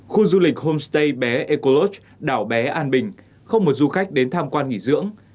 khu du lịch homestay bé ecolog đảo bé an bình không một du khách đến tham quan nghỉ dưỡng